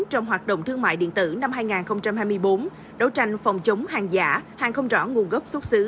trong hoạt động thương mại điện tử năm hai nghìn hai mươi bốn đấu tranh phòng chống hàng giả hàng không rõ nguồn gốc xuất xứ